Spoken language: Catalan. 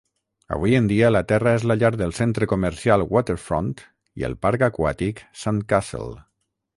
Avui en dia la terra és la llar del centre comercial Waterfront i el parc aquàtic Sandcastle.